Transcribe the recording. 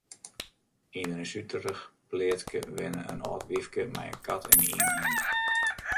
Yn in suterich pleatske wenne in âld wyfke mei in kat en ien hin.